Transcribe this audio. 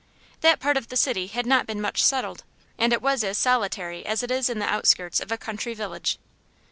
That part of the city had not been much settled, and it was as solitary as it is in the outskirts of a country village.